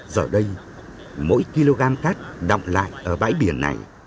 giờ đây mỗi kg cát đọng lại ở bãi biển này